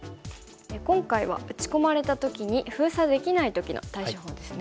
今回は打ち込まれた時に封鎖できない時の対処法ですね。